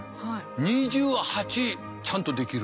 ２８ちゃんとできる。